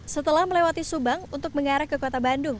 setelah melewati subang untuk mengarah ke kota bandung